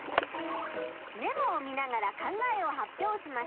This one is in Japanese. メモを見ながら考えを発表します。